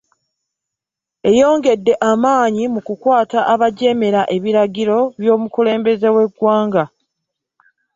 Eyongedde amaanyi mu kukwata abajeemera ebiragiro by'omukulembeze w'eggwanga.